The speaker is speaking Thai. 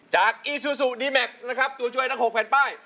อีซูซูดีแม็กซ์นะครับตัวช่วยทั้ง๖แผ่นป้าย